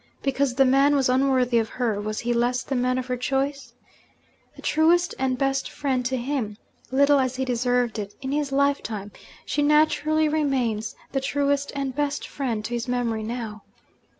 Because the man was unworthy of her, was he less the man of her choice? The truest and best friend to him (little as he deserved it) in his lifetime, she naturally remains the truest and best friend to his memory now.